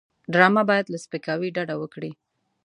ډرامه باید له سپکاوي ډډه وکړي